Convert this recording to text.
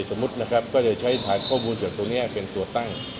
สมมุตินะครับก็จะใช้ฐานข้อมูลจากตรงนี้เป็นตัวตั้ง